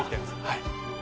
はい